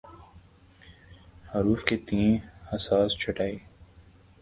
حروف کے تئیں حساس چھٹائی